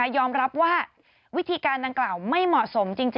ยอมรับว่าวิธีการดังกล่าวไม่เหมาะสมจริง